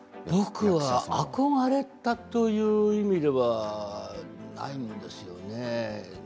憧れたという意味ではないんですよね。